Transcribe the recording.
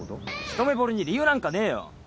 一目ぼれに理由なんかねえよ。